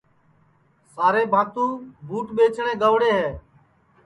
سارے بھاتُو ٻوٹ ٻیچٹؔیں گئوڑے ہے